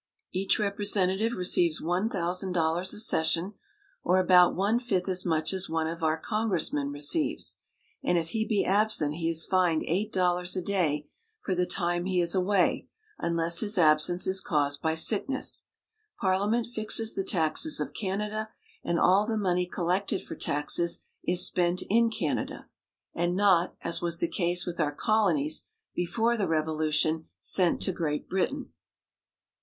Each representative receives one thousand dollars a session, or about one fifth as much as one of our con gressmen receives; and if he be absent he is fined eight dollars a day for the time he is away, unless his ab sence is caused by sickness. Parliament fixes the taxes of Canada, and all the money collected for taxes is spent in Canada, and not, as was the case with our colonies be fore the Revolution, sent to Great Britain.